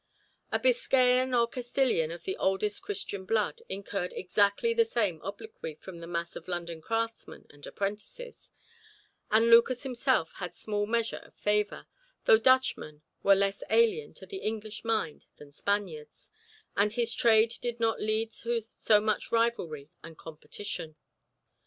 A Biscayan or Castillian of the oldest Christian blood incurred exactly the same obloquy from the mass of London craftsmen and apprentices, and Lucas himself had small measure of favour, though Dutchmen were less alien to the English mind than Spaniards, and his trade did not lead to so much rivalry and competition.